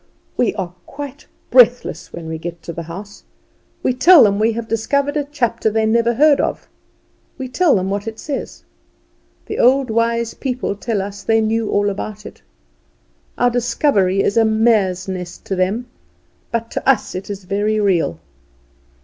We are quite breathless when we get to the house; we tell them we have discovered a chapter they never heard of; we tell them what it says. The old wise people tell us they knew all about it. Our discovery is a mare's nest to them; but to us it is very real.